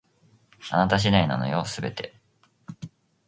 あなた次第なのよ、全て